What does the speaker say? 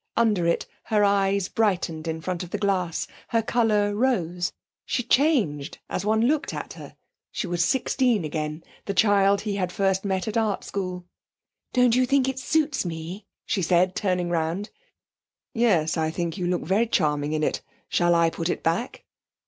Under it her eyes brightened in front of the glass; her colour rose; she changed as one looked at her she was sixteen again the child he had first met at the Art School. 'Don't you think it suits me?' she said, turning round. 'Yes, I think you look very charming in it. Shall I put it back?'